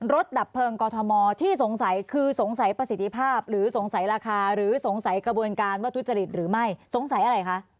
ดับเพลิงกอทมที่สงสัยคือสงสัยประสิทธิภาพหรือสงสัยราคาหรือสงสัยกระบวนการว่าทุจริตหรือไม่สงสัยอะไรคะ